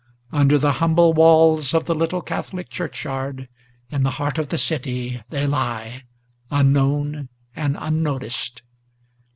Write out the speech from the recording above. Under the humble walls of the little Catholic churchyard, In the heart of the city, they lie, unknown and unnoticed.